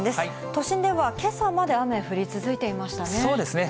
都心ではけさまで雨降り続いていましたね。